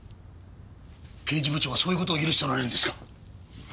刑事部長がそういう事を許しておられるんですか？